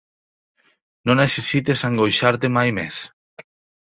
No necessites angoixar-te mai més.